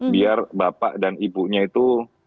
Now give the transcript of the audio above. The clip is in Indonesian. biar bapak dan ibunya itu